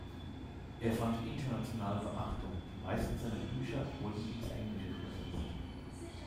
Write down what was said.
Er fand international Beachtung; die meisten seiner Bücher wurden ins Englische übersetzt.